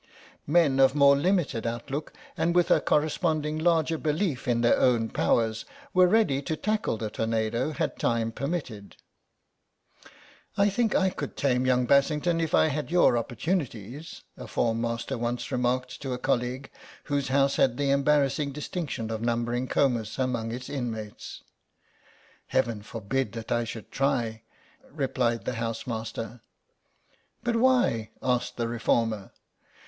Men of more limited outlook and with a correspondingly larger belief in their own powers were ready to tackle the tornado had time permitted. "I think I could tame young Bassington if I had your opportunities," a form master once remarked to a colleague whose House had the embarrassing distinction of numbering Comus among its inmates. "Heaven forbid that I should try," replied the housemaster. "But why?" asked the reformer.